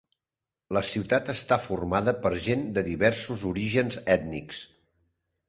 La ciutat està formada per gent de diversos orígens ètnics.